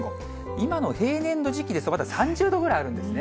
今の平年の時期ですと、まだ３０度ぐらいあるんですね。